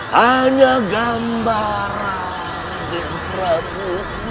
hanya gambaran nger prabu